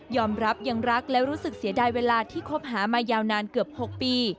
รับยังรักและรู้สึกเสียดายเวลาที่คบหามายาวนานเกือบ๖ปี